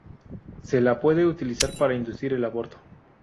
Se la puede utilizar para inducir el aborto.